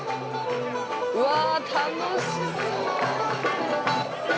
うわ楽しそう。